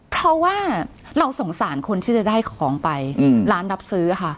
เพราะว่าเราสงสารคนที่จะได้ของไปร้านรับซื้อค่ะ